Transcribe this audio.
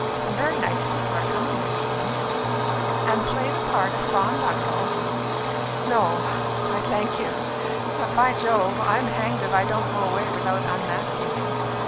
Some very nice people are coming this evening." "And play the part of fond uncle? No, I thank you. But, by Jove! I'm hanged if I don't go away without unmasking you.